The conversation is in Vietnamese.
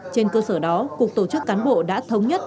trên cơ sở đó cục tổ chức cán bộ đã thống nhất